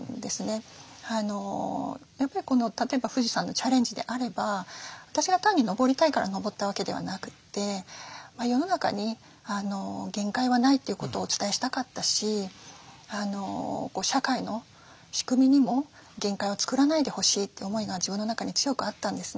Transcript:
やっぱり例えば富士山のチャレンジであれば私が単に登りたいから登ったわけではなくて世の中に限界はないということをお伝えしたかったし社会の仕組みにも限界を作らないでほしいという思いが自分の中に強くあったんですね。